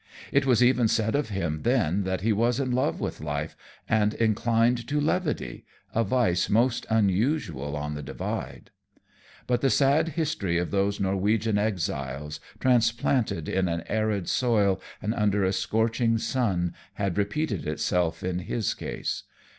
It was even said of him then that he was in love with life, and inclined to levity, a vice most unusual on the Divide. But the sad history of those Norwegian exiles, transplanted in an arid soil and under a scorching sun, had repeated itself in his case.